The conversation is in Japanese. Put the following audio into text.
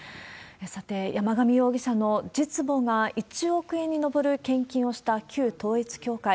さて、山上容疑者の実母が１億円に上る献金をした旧統一教会。